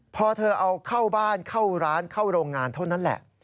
พอเธอเอาเข้าบ้านเข้าร้านเข้าโรงงานเท่านั้นแหละ